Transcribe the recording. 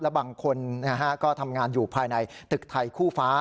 บางคนก็ทำงานอยู่ภายในตึกไทยคู่ฟ้า